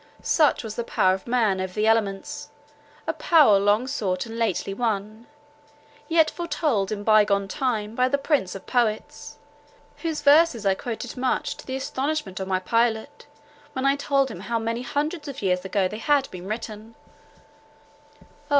Such was the power of man over the elements; a power long sought, and lately won; yet foretold in by gone time by the prince of poets, whose verses I quoted much to the astonishment of my pilot, when I told him how many hundred years ago they had been written:— Oh!